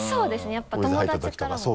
やっぱ友達からも。